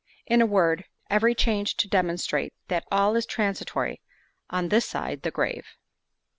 In a word, every change to demonstrate, that, "All is transitory on this side the grave."